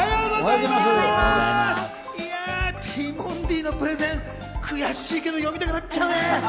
いや、ティモンディのプレゼン、悔しいけど読みたくなっちゃうね。